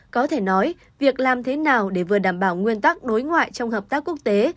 có thể nói việc làm thế nào để vừa đảm bảo nguyên tắc đối ngoại trong hợp tác quốc tế